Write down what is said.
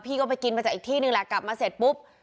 ก็ไปกินมาจากอีกที่นึงแหละกลับมาเสร็จปุ๊บ